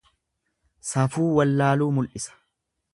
Safuu wallaaluu mul'isa.